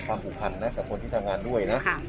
ผูกพันนะกับคนที่ทำงานด้วยนะ